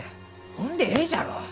ほんでえいじゃろう！